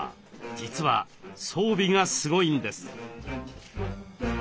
実は装備がすごいんです。